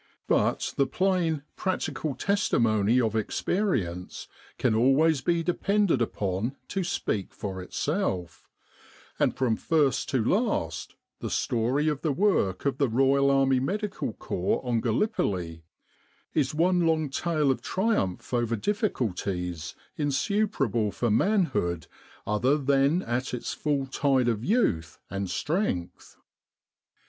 But the plain, practical testimony of experience can always be depended upon to speak for itself; and from first to last the story of the work of the Royal Army Medical Corps on Gallipoli is one long tale of triumph over difficulties insuperable for manhood other than at its full tide of youth and strength.